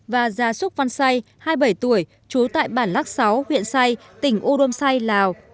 và gia xuất văn say hai mươi bảy tuổi chú tại bản lắc sáu huyện say tỉnh u đôm say lào